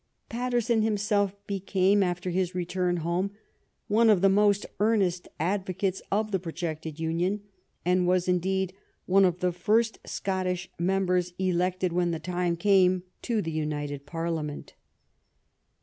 Paterson himself became, after his return home, one of the most earnest advocates of the projected union, and was, indeed, one of the first Scottish mem bers elected, when the time came, to the united Parlia ment.